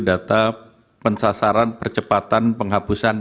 data pensasaran percepatan penghapusan